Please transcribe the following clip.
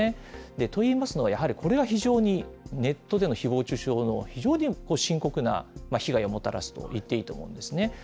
といいますのは、やはりこれが非常にネット上でのひぼう中傷の非常に深刻な被害をもたらすといっていいと思うんですね。